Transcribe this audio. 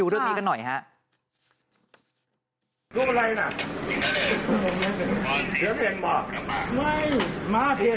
เจ้าเพ่นบอกไม่หมาเพ่น